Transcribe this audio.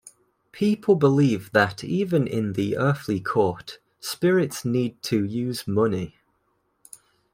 People believe that even in the earthly court, spirits need to use money.